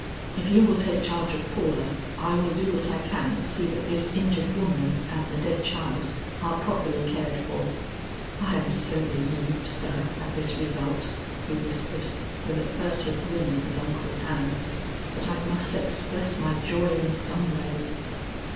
"If you will take charge of Paula, I will do what I can to see that this injured woman and the dead child are properly cared for. I am so relieved, sir, at this result," he whispered, with a furtive wring of his uncle's hand, "that I must express my joy in some way."